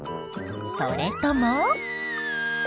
それとも。